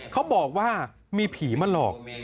เขาบอกว่ามีผีมาหลอก